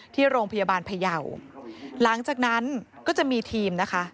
ที่โรงพยาบาลพยาวหลังจากนั้นก็จะมีทีมนะคะ